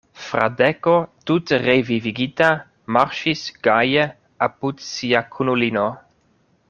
Fradeko tute revivigita marŝis gaje apud sia kunulino.